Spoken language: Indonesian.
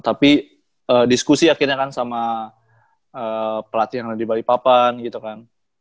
tapi diskusi akhirnya kan sama pelatih yang ada di balikpapan gitu kan